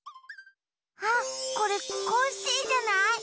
あっこれコッシーじゃない？